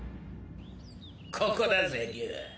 ここだぜ竜。